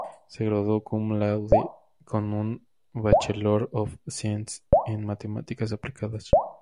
Se graduó Cum laude con un Bachelor of Science en Matemáticas aplicadas.